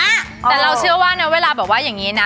แต่เราเชื่อว่านะเวลาแบบว่าอย่างนี้นะ